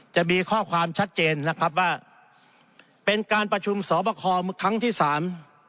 จะมีข้อความชัดเจนนะครับว่าเป็นการประชุมสอบคอครั้งที่สาม